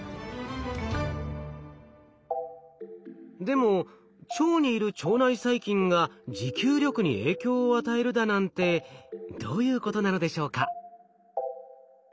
でも腸にいる腸内細菌が持久力に影響を与えるだなんてどういうことなのでしょうか？